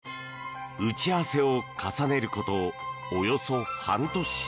打ち合わせを重ねることおよそ半年。